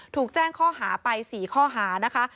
ถูกแจ้งข้อหาไป๔ข้อหานะคะ